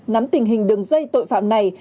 nắm tình hình đường dây tội phạm này